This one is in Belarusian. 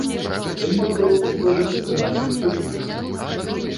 Гэта вельмі просты сродак атрымання прыбытку.